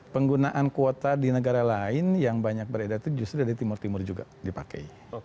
penggunaan kuota di negara lain yang banyak beredar itu justru dari timur timur juga dipakai